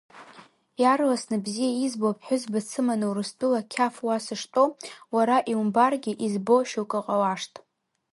Иарласны бзиа избо аԥҳәызба дсыманы Урыстәыла қьаф уа сыштәоу, уара иумбаргьы избо шьоукы ҟалашт!